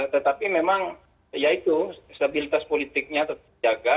tetapi memang ya itu stabilitas politiknya tetap jaga